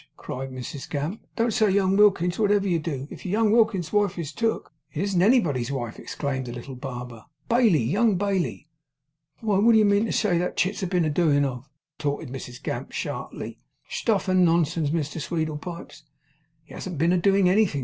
cried Mrs Gamp. 'Don't say young Wilkins, wotever you do. If young Wilkins's wife is took ' 'It isn't anybody's wife,' exclaimed the little barber. 'Bailey, young Bailey!' 'Why, wot do you mean to say that chit's been a doin' of?' retorted Mrs Gamp, sharply. 'Stuff and nonsense, Mrs Sweedlepipes!' 'He hasn't been a doing anything!